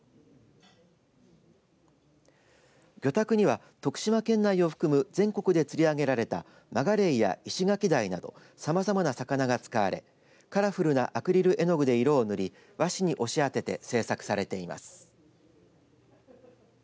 魚拓には徳島県内を含む全国で釣り上げられたマガレイやイシガキダイなどさまざまな魚が使われカラフルなアクリル絵の具で色を塗り和紙に押し当てて制作されています。